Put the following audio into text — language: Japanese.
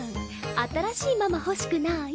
新しいママ欲しくない？